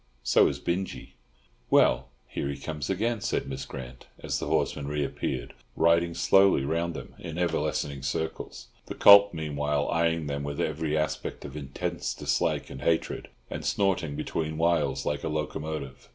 So is Binjie." "Well, here he comes again," said Miss Grant, as the horseman reappeared, riding slowly round them in ever lessening circles; the colt meanwhile eyeing them with every aspect of intense dislike and hatred, and snorting between whiles like a locomotive.